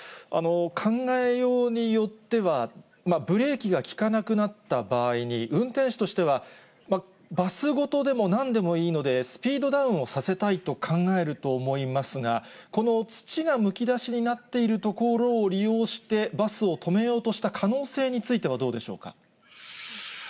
考え様によっては、ブレーキが利かなくなった場合に、運転手としてはバスごとでもなんでもいいので、スピードダウンをさせたいと考えると思いますが、この土がむき出しになっている所を利用して、バスを止めようとした可能性についてはどうでしょうか。